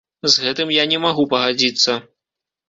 З гэтым я не магу пагадзіцца.